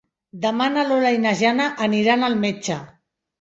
Demà na Lola i na Jana aniran al metge.